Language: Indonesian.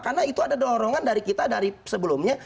karena itu ada dorongan dari kita dari sebelumnya